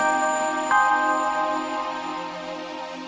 aku sudah berusaha untuk mengatasi